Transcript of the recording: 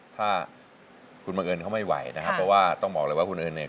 ถ้าคุณบังเอิญเขาไม่ไหวนะครับเพราะว่าต้องบอกเลยว่าคุณเอิญเนี่ย